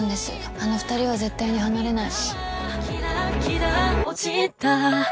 あの２人は絶対に離れない。